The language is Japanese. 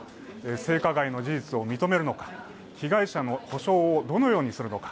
性加害の事実を認めるのか、被害者の補償をどのようにするのか。